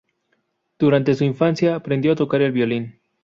Durante su infancia, aprendió a tocar el violín.